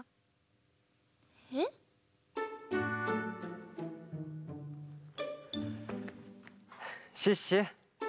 えっ？シュッシュ。